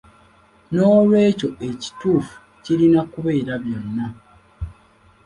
Noolwekyo ekituufu kirina kubeera byonna.